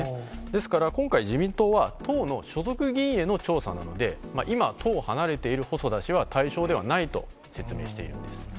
ですから、今回、自民党は、党の所属議員への調査なので、今、党を離れている細田氏は対象ではないと説明しているんです。